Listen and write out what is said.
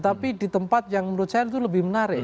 tapi di tempat yang menurut saya itu lebih menarik